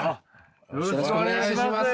よろしくお願いします。